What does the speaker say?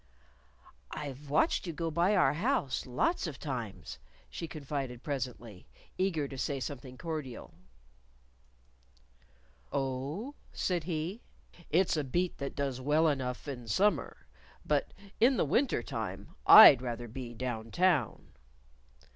"I've watched you go by our house lots of times," she confided presently, eager to say something cordial. "Oh?" said he. "It's a beat that does well enough in summer. But in the wintertime I'd rather be Down Town."